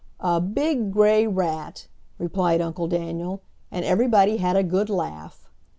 "A big gray rat," replied Uncle Daniel, and everybody had a good laugh.